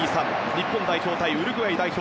日本代表対ウルグアイ代表。